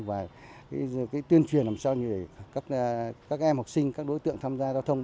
và tuyên truyền làm sao để các em học sinh các đối tượng tham gia giao thông